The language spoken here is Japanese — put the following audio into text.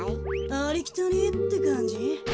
ありきたりってかんじ？